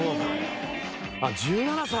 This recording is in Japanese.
あっ１７歳。